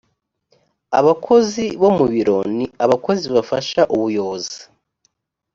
abakozi bo mu biro ni abakozi bafasha ubuyobozi